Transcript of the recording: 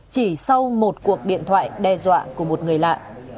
chỉ sau một cuộc điện thoại đe dọa của một người lạ